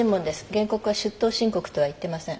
原告は出頭申告とは言ってません。